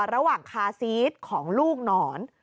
ระหว่างคาซีทของลูกหนอน